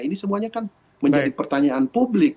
ini semuanya kan menjadi pertanyaan publik